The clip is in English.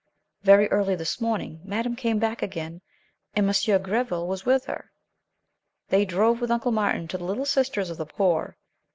Very early this morning, madame came back again, and M. Gréville was with her. They drove with Uncle Martin to the Little Sisters of the Poor.